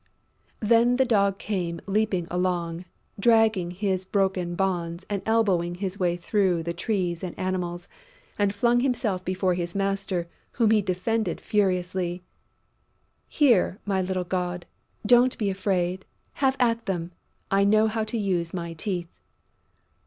Then the Dog came leaping along, dragging his broken bonds and elbowing his way through the Trees and Animals and flung himself before his master, whom he defended furiously: "Here, my little god! Don't be afraid! Have at them! I know how to use my teeth!"